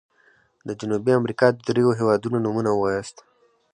د جنوبي امريکا د دریو هيوادونو نومونه ووایاست.